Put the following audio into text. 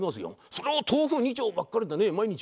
それを豆腐２丁ばっかりでね毎日毎日。